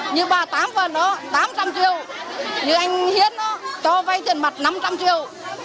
như bà tám phần đó tám trăm linh triệu như anh hiến đó cho vay tiền mặt năm trăm linh triệu